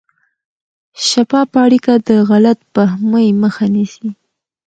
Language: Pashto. شفافه اړیکه د غلط فهمۍ مخه نیسي.